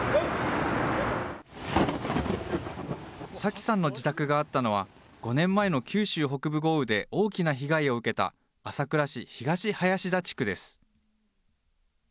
紗季さんの自宅があったのは、５年前の九州北部豪雨で大きな被害を受けた朝倉市東林田地区です。